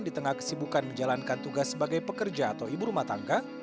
di tengah kesibukan menjalankan tugas sebagai pekerja atau ibu rumah tangga